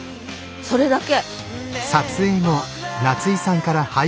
それだけ。